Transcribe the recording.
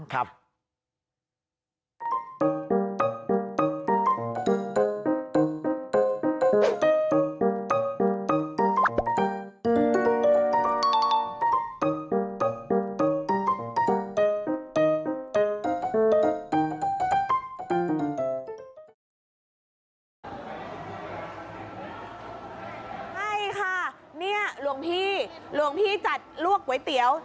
ใช่ค่ะเนี่ยหลวงพี่หลวงพี่จัดลวกก๋วยเตี๋ยว